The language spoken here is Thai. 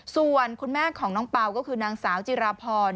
ส่วนคุณแม่ของน้องเปล่าก็คือนางสาวจิราพร